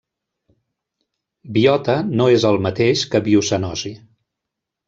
Biota no és el mateix que biocenosi.